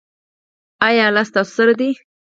ایا الله ستاسو سره دی؟